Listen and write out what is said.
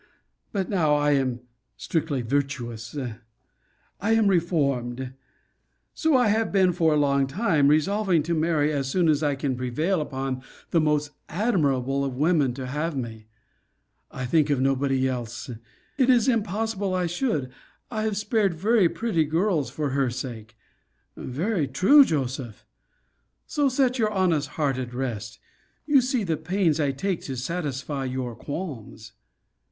But now I am strictly virtuous. I am reformed. So I have been for a long time, resolving to marry as soon as I can prevail upon the most admirable of women to have me. I think of nobody else it is impossible I should. I have spared very pretty girls for her sake. Very true, Joseph! So set your honest heart at rest You see the pains I take to satisfy your qualms.